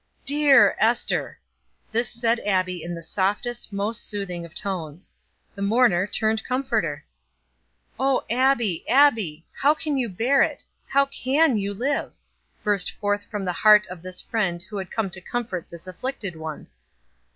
"Dear Ester!" This said Abbie in the softest, most soothing of tones. The mourner turned comforter! "Oh Abbie, Abbie, how can you bear it how can you live?" burst forth from the heart of this friend who had come to comfort this afflicted one!